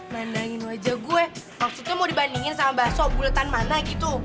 nandangin wajah gue maksudnya mau dibandingin sama bakso buletan mana gitu